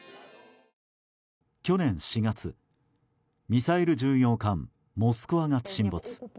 去年４月、ミサイル巡洋艦「モスクワ」が沈没。